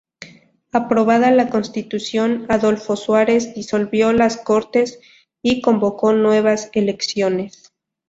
Aprobada la Constitución, Adolfo Suárez disolvió las Cortes y convocó nuevas elecciones.